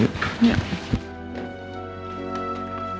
selamat malam renan